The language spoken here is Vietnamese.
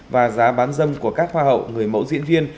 và giá bán dâm của các hoa hậu người mẫu diễn viên